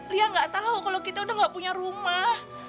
lia gak tau kalo kita udah gak punya rumah